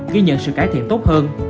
ghi nhận sự cải thiện tốt hơn